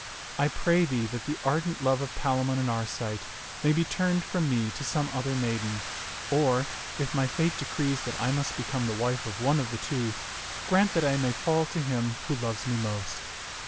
I pray thee that the ardent love of Palamon and Arcite may be turned from me to some other maiden; or, if my fate decrees that I must become the wife of one of the two, grant that I may fall to him who loves me most."